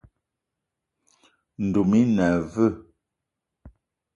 Ndoum i na aveu?